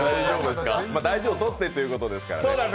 大事をとってということですからね。